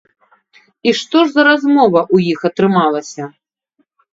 І што ж за размова ў іх атрымалася?